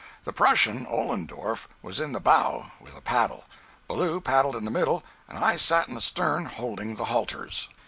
The Prussian, Ollendorff, was in the bow, with a paddle, Ballou paddled in the middle, and I sat in the stern holding the halters.